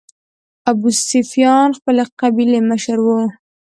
ابوسفیان خپلې قبیلې مشر و.